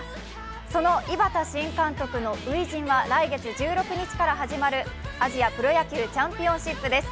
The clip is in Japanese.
その井端新監督の初陣は来月１６日から始まるアジアプロ野球チャンピオンシップです。